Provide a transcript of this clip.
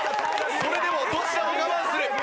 それでもどちらも我慢する。